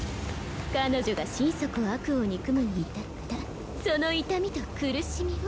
彼女が心底悪を憎むに至ったその痛みと苦しみを。